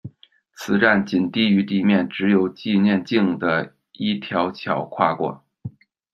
此站仅低于地面，只有纪念径的一条桥跨过。